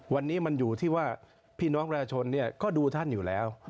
วันนี้มันอยู่ที่ว่าพี่น้องประชาชนก็ดูท่านอยู่แล้ว